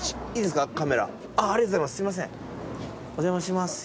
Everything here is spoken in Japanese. お邪魔します。